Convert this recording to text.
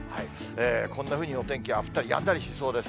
こんなふうにお天気は降ったりやんだりしそうです。